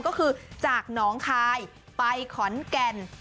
ก็คือจากหนองคายไปขอนแก่น